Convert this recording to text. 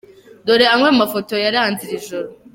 Dore amwe mu mafoto yaranze iri joro:.